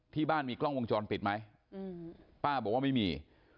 ที่บ้านมีกล้องวงจรปิดไหมป้าบอกว่าไม่มี